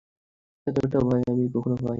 এতটা ভয় আমি কখনো পাইনি।